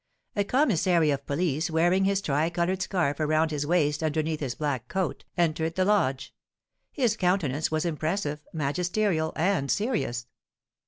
A commissary of police, wearing his tricoloured scarf around his waist underneath his black coat, entered the lodge. His countenance was impressive, magisterial, and serious.